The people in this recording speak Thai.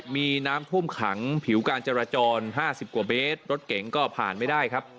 มีน้ำท่วมขังผิวการจราจร๕๐กว่าเมตรรถเก๋งก็ผ่านไม่ได้ครับ